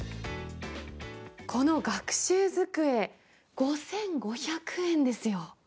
この学習机、５５００円ですよ。